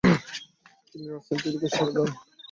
তিনি রাজনীতি থেকে সরে দাঁড়ান।